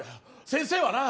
先生はな